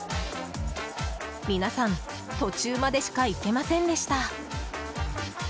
皆さん、途中までしか行けませんでした。